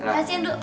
terima kasih andu